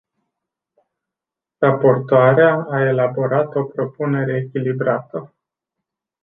Raportoarea a elaborat o propunere echilibrată.